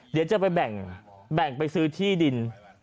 เดี๋ยวจะไปแบ่งไปซื้อที่ดิน